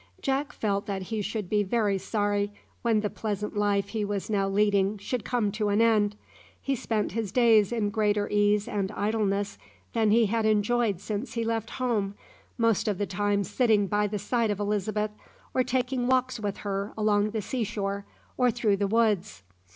Jack felt that he should be very sorry when the pleasant life he was now leading should come to an end. He spent his days in greater ease and idleness than he had enjoyed since he left home, most of the time sitting by the side of Elizabeth, or taking walks with her along the sea shore or through the woods.